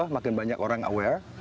makin banyak orang aware